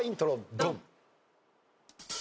ドン！